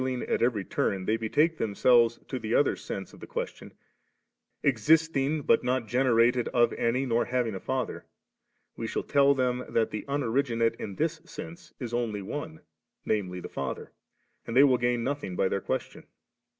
When then, after Ming at every turn, they betake themselves to the other sense of the question, ' existing but not gene rated of any nor having a father,' we shall tell them that the unoriginate in this sense is only one, namely the Father; and they will gain nothing by their question*.